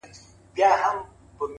كله! ناكله غلتيږي څــوك غوصه راځـي!